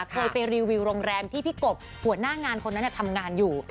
เคยไปรีวิวโรงแรมที่พี่กบหัวหน้างานคนนั้นทำงานอยู่